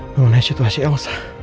mengenai situasi elsa